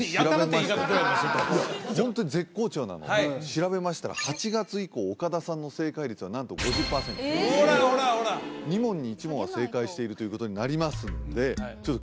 やたらって言い方どうなのホントに絶好調なので調べましたら８月以降岡田さんの正解率はなんと５０パーセント・ええほらほらほら２問に１問は正解しているということになりますのでちょっと